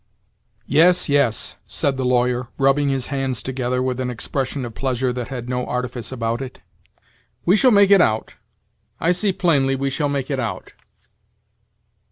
"Yes, yes," said the lawyer, rubbing his hands together, with an expression of pleasure that had no artifice about it; "we shall make it out; I see plainly we shall make it out."